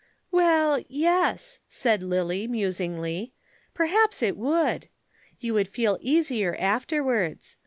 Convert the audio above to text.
"Well, yes," said Lillie musingly, "perhaps it would. You would feel easier afterwards.